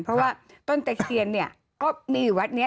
เพราะว่าต้นตะเคียนเนี่ยก็มีอยู่วัดนี้